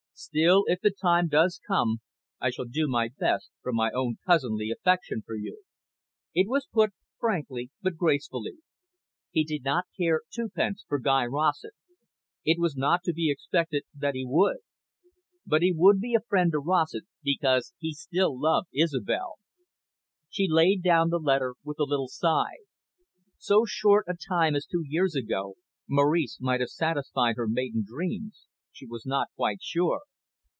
Still, if the time does come, I shall do my best, from my own cousinly affection for you." It was put frankly but gracefully. He did not care twopence for Guy Rossett. It was not to be expected that he would. But he would be a friend to Rossett, because he still loved Isobel. She laid down the letter with a little sigh. So short a time as two years ago, Maurice might have satisfied her maiden dreams, she was not quite sure.